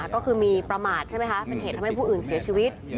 ก็คือมีประมาทใช่ไหมคะเป็นเหตุทำให้ผู้อื่นเสียชีวิต